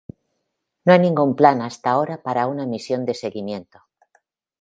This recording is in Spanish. No hay ningún plan hasta ahora para una misión de seguimiento.